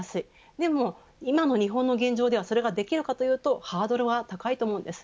でも今の日本の現状ではそれができるかというとハードルは高いと思うんです。